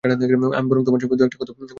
আমি বরং তোমার সঙ্গে দু-একটা কথা বলে চলে যাই।